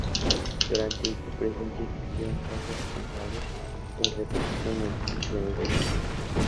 Durante dicha presidencia existieron casos puntuales de represión y prohibiciones de libros.